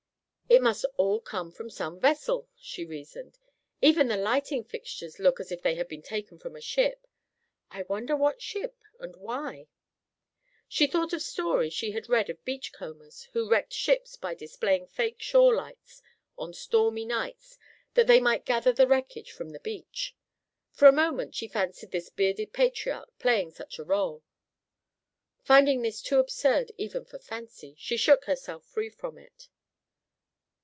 "It must all come from some vessel," she reasoned. "Even the lighting fixtures look as if they had been taken from a ship. I wonder what ship, and why?" She thought of stories she had read of beach combers who wrecked ships by displaying fake shore lights on stormy nights that they might gather the wreckage from the beach. For a moment she fancied this bearded patriarch playing such a role. Finding this too absurd even for fancy, she shook herself free from it.